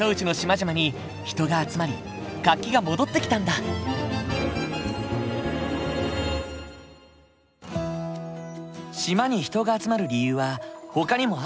島に人が集まる理由はほかにもあるのかな？